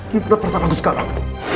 gimana perasaan aku sekarang